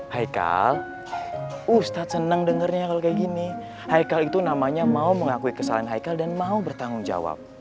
heikal ustadz seneng dengernya kalau kayak gini heikal itu namanya mau mengakui kesalahan heikal dan mau bertanggung jawab